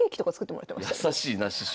優しいな師匠。